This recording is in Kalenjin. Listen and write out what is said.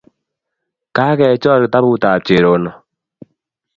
Kakechor kitabut ap Cherono